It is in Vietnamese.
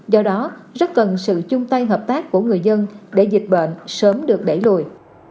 do đó rất cần sự chung tay hợp tác của người dân để dịch bệnh sớm được đẩy lùi